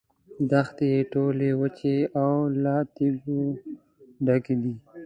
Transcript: دښتې یې ټولې وچې او له تیږو ډکې دي.